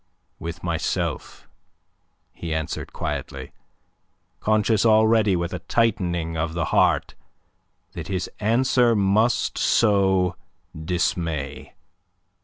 "With myself," he answered quietly, conscious already with a tightening of the heart that his answer must sow dismay.